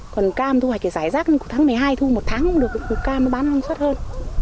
còn cam thu hoạch thì dài rác tháng một mươi hai thu một tháng không được cam nó bán lăng suất hơn